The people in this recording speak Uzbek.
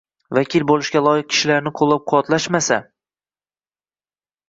vakil bo‘lishga loyiq kishilarni qo‘llab-quvvatlashmasa